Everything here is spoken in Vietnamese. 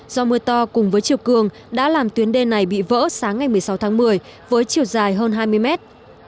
do mưa to cùng với chiều cường đã làm tuyến đê này bị vỡ sáng ngày một mươi sáu tháng một mươi với chiều dài hơn hai mươi mét